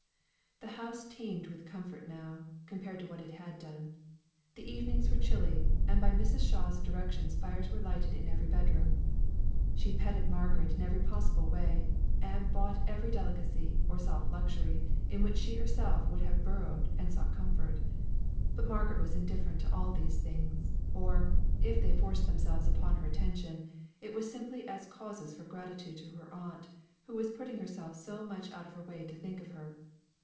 The house teemed with comfort now, compared to what it had been. The evenings were chilly, and by Mrs. Shaw's directions fires were lighted in every bedroom. She petted Margaret in every possible way, and bought every delicacy, or soft luxury in which she herself would have burrowed and sought comfort. But Margaret was indifferent to all these things; or, if they forced themselves upon her attention, it was simply as causes for gratitude to her aunt, who was putting herself so much out of the way to think of her.